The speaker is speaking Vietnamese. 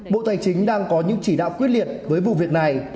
bộ tài chính đang có những chỉ đạo quyết liệt với vụ việc này